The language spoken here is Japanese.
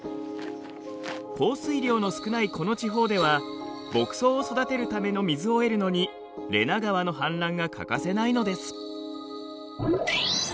降水量の少ないこの地方では牧草を育てるための水を得るのにレナ川の氾濫が欠かせないのです。